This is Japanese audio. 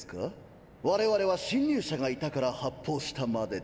我々は侵入者がいたから発砲したまでで。